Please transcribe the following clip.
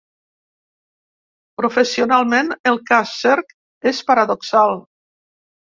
Professionalment, el cas Cerc és paradoxal.